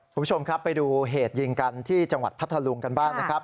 คุณผู้ชมครับไปดูเหตุยิงกันที่จังหวัดพัทธลุงกันบ้างนะครับ